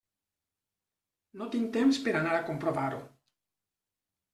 No tinc temps per a anar a comprovar-ho.